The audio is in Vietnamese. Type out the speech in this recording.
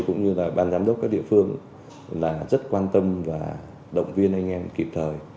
cũng như là ban giám đốc các địa phương là rất quan tâm và động viên anh em kịp thời